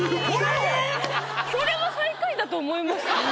これは最下位だと思いました。